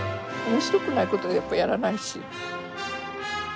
面白くないことはやっぱりやらないし。